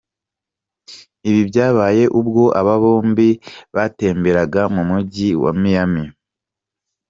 Ibi byabaye ubwo aba bombi batemberaga mu mujyi wa Miami.